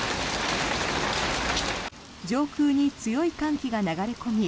上空に強い寒気が流れ込み